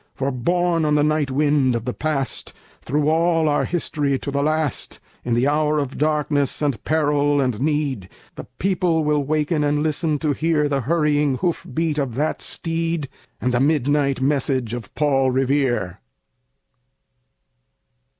For, borne on the night wind of the Past, Through all our history, to the last, In the hour of darkness and peril and need, The people will waken and listen to hear The hurrying hoof beats of that steed, And the midnight message of Paul Revere.